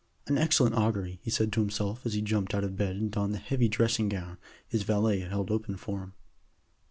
"An excellent augury," he said to himself as he jumped out of bed and donned the heavy dressing gown his valet held open for him.